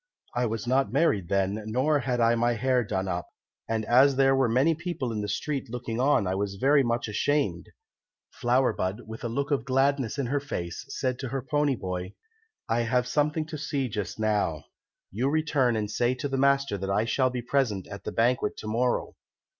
I was not married then, nor had I my hair done up, and as there were many people in the street looking on I was very much ashamed. Flower bud, with a look of gladness in her face, said to her pony boy, 'I have something to see to just now; you return and say to the master that I shall be present at the banquet to morrow.'